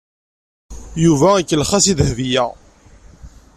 Yuba ikellex-as i Dahbiya.